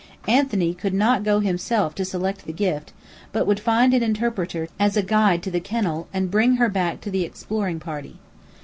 Anthony could not go himself to select the gift, but would find an interpreter as a guide to the kennel and bring her back to the exploring party.